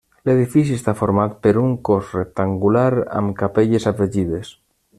L'edifici està format per un cos rectangular amb capelles afegides.